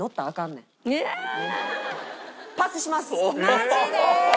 マジで？